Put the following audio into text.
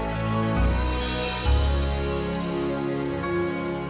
kamu jangan pergi dari sini ya